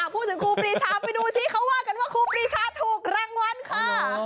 ครูปีชาไปดูซิเขาว่ากันว่าครูปรีชาถูกรางวัลค่ะ